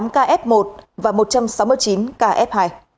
tám mươi tám ca f một và một trăm sáu mươi chín ca f hai